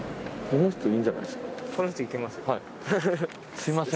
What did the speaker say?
すみません。